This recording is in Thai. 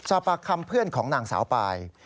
สอบปากคำเพื่อนของนางสาวปาย